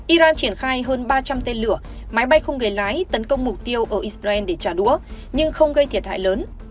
iran triển khai hơn ba trăm linh tên lửa máy bay không người lái tấn công mục tiêu ở israel để trả đũa nhưng không gây thiệt hại lớn